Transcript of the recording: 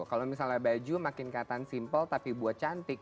kalau misalnya baju makin kelihatan simple tapi buat cantik